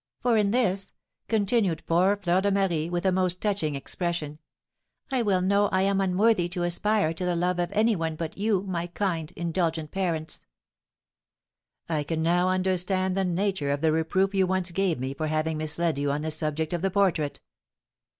For in this," continued poor Fleur de Marie, with a most touching expression, "I well know I am unworthy to aspire to the love of any one but you, my kind, indulgent parents." "I can now understand the nature of the reproof you once gave me for having misled you on the subject of the portrait."